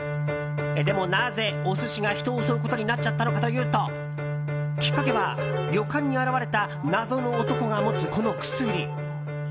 でもなぜ、お寿司が人を襲うことになっちゃったのかというときっかけは旅館に現れた謎の男が持つ、この薬。